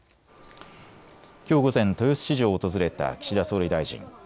きょう午前、豊洲市場を訪れた岸田総理大臣。